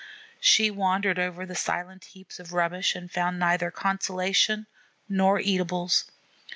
She wandered over the silent heaps of rubbish and found neither consolation nor eatables.